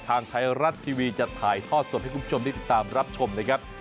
ทางไทยรัฐทีวีจะถ่ายทอดสดให้คุณผู้ชมได้ติดตามรับชมนะครับ